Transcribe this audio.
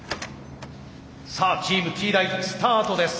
さあチームＴ大スタートです。